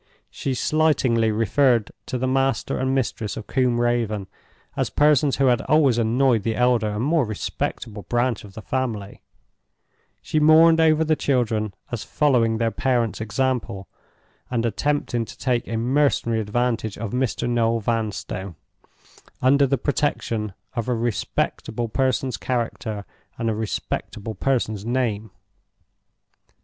She slightingly referred to the master and mistress of Combe Raven as persons who had always annoyed the elder and more respectable branch of the family; she mourned over the children as following their parents' example, and attempting to take a mercenary advantage of Mr. Noel Vanstone, under the protection of a respectable person's character and a respectable person's name.